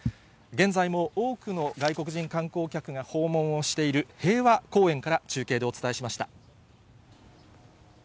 現在も多くの外国人観光客が訪問をしている平和公園から中継でお伝えしました。